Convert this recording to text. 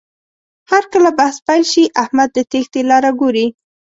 هرکله بحث پیل شي، احمد د تېښتې لاره ګوري.